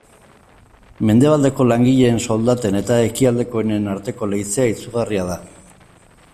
Mendebaldeko langileen soldaten eta ekialdekoenen arteko leizea izugarria da.